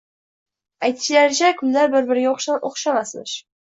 Aytishlaricha, kunlar bir-biriga o`xshamasmish